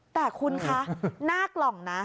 แต่คุณคะหน้ากล่องนะ